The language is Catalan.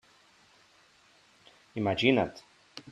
Imagina't!